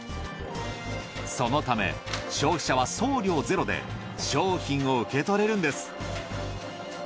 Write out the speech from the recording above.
そのため消費者は送料ゼロで商品を受け取れるのです。